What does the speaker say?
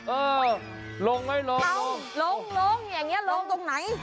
เออลงไหมลงลงลงลงลงอย่างนี้ลงลงตรงไหน